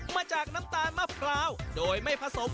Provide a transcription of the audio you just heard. มาจากน้ำตาลมะพร้าวโดยไม่ผสมอย่างอื่นเลยนะ